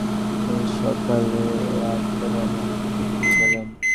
তিনি সকাল আটটায় ঢাকা রওনা হয়ে গেলেন।